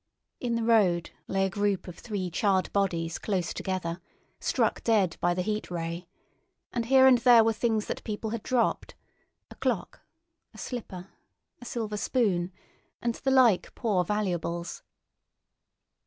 In the road lay a group of three charred bodies close together, struck dead by the Heat Ray; and here and there were things that people had dropped—a clock, a slipper, a silver spoon, and the like poor valuables.